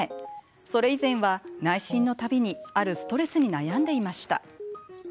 それ以前は、内診の度にあるストレスに悩んでいました。